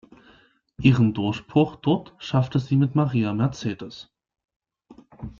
Ihren Durchbruch dort schaffte sie mit Maria Mercedes.